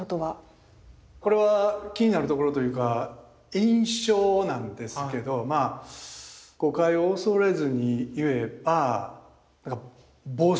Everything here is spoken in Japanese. これは気になるところというか印象なんですけどまあ誤解を恐れずに言えば暴走してるなぁっていう。